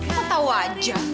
lu tau aja